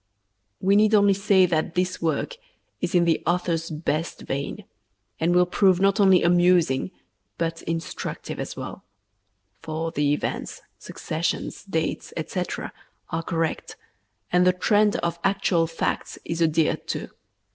We need only say that this work is in the author's best vein, and will prove not only amusing, but instructive as well; for the events, successions, dates, etc., are correct, and the trend of actual facts is adhered to.